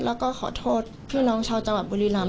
แล้วก็ขอโทษพี่น้องชาวจังหวัดบุรีรำ